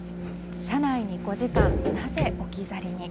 車内に５時間、なぜ置き去りに。